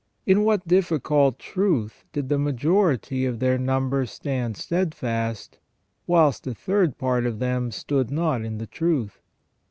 In what difficult truth did the majority of their numbers stand steadfast, whilst a third part of them stood not in the truth